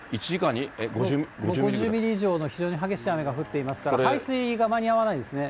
５０ミリ以上の非常に激しい雨が降っておりますから、排水が間に合わないですね。